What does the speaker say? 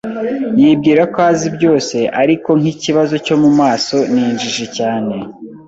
Yibwira ko azi byose ariko, nkikibazo cyo mumaso, ni injiji cyane.